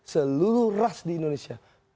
seluruh ras di indonesia